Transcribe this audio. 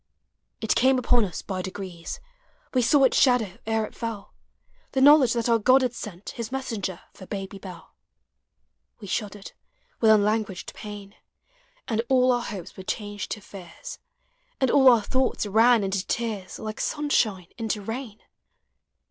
It came upon us by degrees, We saw its shadow ere it fell — The knowledge that our God had sent His messenger for Baby Dell. We shuddered with uulanguaged pain, And all our hopes were changed to fears, And all our thoughts ran into tears Like sunshine into rain.